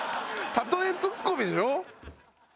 例えツッコミでしょ？